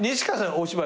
お芝居は？